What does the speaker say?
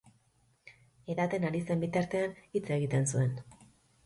Edaten ari zen bitartean, hitz egiten zuen.